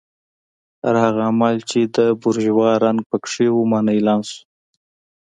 هر هغه عمل چې د بورژوا رنګ پکې و منع اعلان شو.